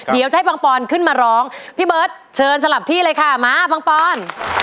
เดี๋ยวจะให้ปังปอนขึ้นมาร้องพี่เบิร์ตเชิญสลับที่เลยค่ะมาปังปอน